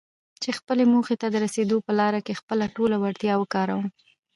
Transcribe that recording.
چې خپلې موخې ته د رسېدو په لاره کې خپله ټوله وړتيا وکاروم.